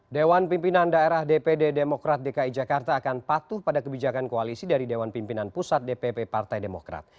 dewan pimpinan daerah dpd demokrat dki jakarta akan patuh pada kebijakan koalisi dari dewan pimpinan pusat dpp partai demokrat